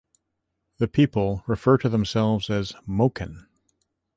The people refer to themselves as Moken.